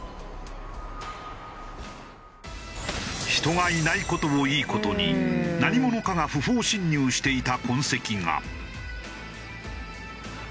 人がいない事をいい事に何者かが不法侵入していた痕跡が。